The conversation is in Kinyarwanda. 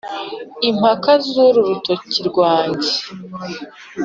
Impaka z' uru rutoki rwanjye :